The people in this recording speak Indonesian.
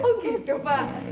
oh gitu pak